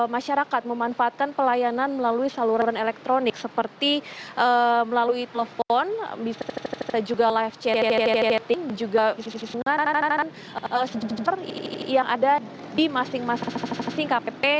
masyarakat memanfaatkan pelayanan melalui saluran elektronik seperti melalui telepon chatting juga yang ada di masing masing kpp